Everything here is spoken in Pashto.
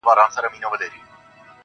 • ددې سايه به ،پر تا خوره سي.